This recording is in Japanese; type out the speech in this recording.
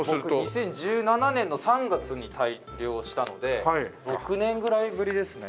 ２０１７年の３月に退去をしたので６年ぐらいぶりですね。